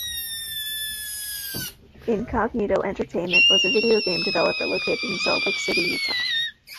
Incognito Entertainment was a video game developer located in Salt Lake City, Utah.